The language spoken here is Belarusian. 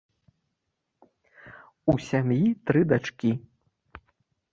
У сям'і тры дачкі.